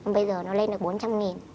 bây giờ nó lên được bốn trăm linh nghìn